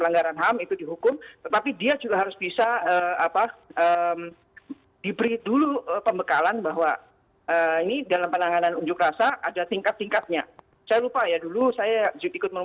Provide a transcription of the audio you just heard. nah itu juga harus apa menjadi tatetan